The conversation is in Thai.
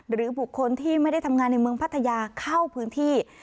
หรือบุคคลที่ไม่ได้ทำงานในเมืองพัทยาเข้าพื้นที่